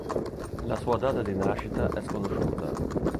La sua data di nascita è sconosciuta.